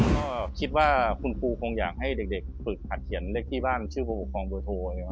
ก็คิดว่าคุณครูคงอยากให้เด็กฝึกหัดเขียนเลขที่บ้านชื่อผู้ปกครองเบอร์โทร